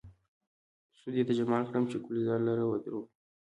سود يې د جمال کړم، چې ګلزار لره ودرومم